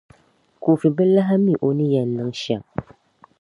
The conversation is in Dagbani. Kofi bi lahi mi o ni yɛn niŋ shɛm.